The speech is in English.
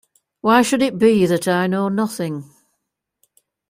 Why should it be that I know nothing?